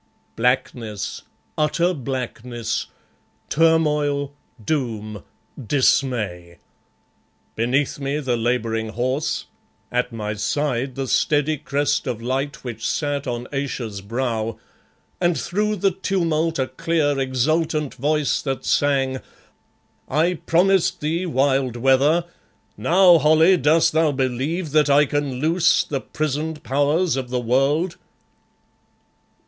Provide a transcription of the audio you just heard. Blackness, utter blackness; turmoil, doom, dismay! Beneath me the labouring horse; at my side the steady crest of light which sat on Ayesha's brow, and through the tumult a clear, exultant voice that sang "I promised thee wild weather! Now, Holly, dost thou believe that I can loose the prisoned Powers of the world?"